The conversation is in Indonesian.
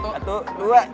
satu dua tiga